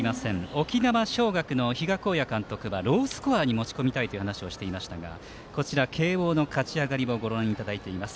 沖縄尚学の比嘉公也監督はロースコアに持ち込みたいという話をしていましたがこちら慶応の勝ち上がりをご覧いただいています。